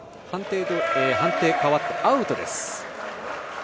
判定、変わってアウトです。